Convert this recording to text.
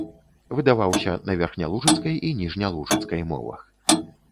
Выдаваўся на верхнялужыцкай і ніжнялужыцкай мовах.